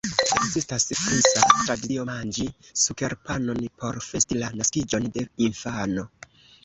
Ekzistas frisa tradicio manĝi sukerpanon por festi la naskiĝon de infano.